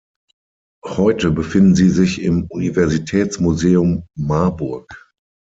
Heute befinden sie sich im Universitätsmuseum Marburg.